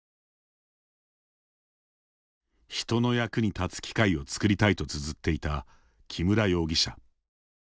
人の役に立つ機械を作りたいとつづっていた木村容疑者。